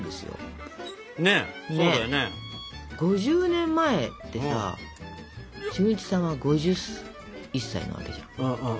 ５０年前ってさ俊一さんは５１歳なわけじゃん。